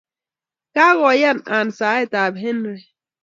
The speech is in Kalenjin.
Kagoyan Ann saetab Henry.